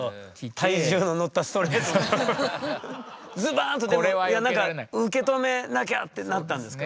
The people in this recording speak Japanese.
ズバーンとでもなんか受け止めなきゃってなったんですか？